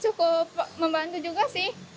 cukup membantu juga sih